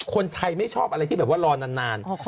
คนไทยไม่ชอบอะไรที่แบบว่ารอนาน